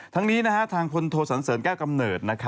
ทั้งนี้ทางพลโทสันเสริญแก้วกำเนิด